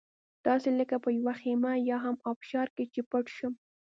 داسې لکه په یوه خېمه یا هم ابشار کې چې پټ شم.